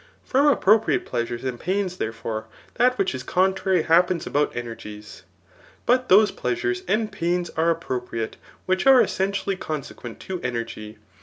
From appropriate pleasures and pains, therefore, that which is contrary happens about energies. But those pleasures and pains are ap* propriate, which are essentially consequent to energy.